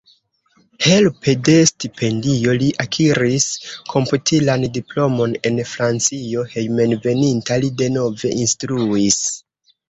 Helpe de stipendio li akiris komputilan diplomon en Francio, hejmenveninta li denove instruis.